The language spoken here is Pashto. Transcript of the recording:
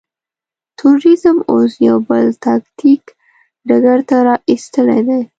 تروريزم اوس يو بل تاکتيک ډګر ته را اېستلی دی.